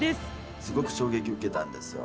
すごく衝撃受けたんですよ。